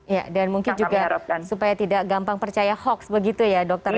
ya dan mungkin juga supaya tidak gampang percaya hoax begitu ya dokter